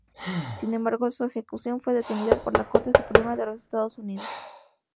Sin embargo, su ejecución fue detenida por la Corte Suprema de los Estados Unidos.